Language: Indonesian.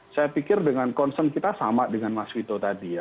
saya pikir dengan concern kita sama dengan mas wito tadi ya